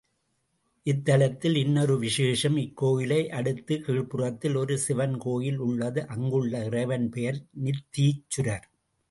இத்தலத்தில் இன்னொரு விசேஷம், இக்கோயிலை அடுத்த கீழ்புறத்தில் ஒரு சிவன் கோயில் உள்ளது அங்குள்ள இறைவன் பெயர் நித்தீச்சுரர்.